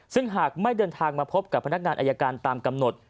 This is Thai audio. ซึ่งหากไม่เดินทางมาพบกับพนักงานอายการตามกำหนด